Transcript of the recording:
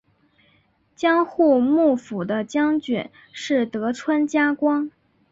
江户幕府的将军是德川家光。